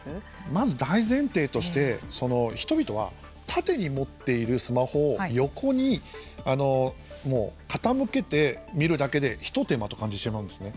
まず大前提として人々は縦に持っているスマホを横に傾けて見るだけで一手間と感じてしまうんですね。